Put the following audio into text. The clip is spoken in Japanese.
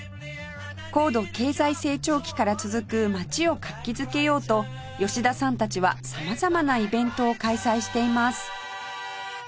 高度経済成長期から続く街を活気づけようと吉田さんたちは様々なイベントを開催しています